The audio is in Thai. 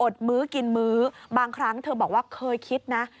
มื้อกินมื้อบางครั้งเธอบอกว่าเคยคิดนะ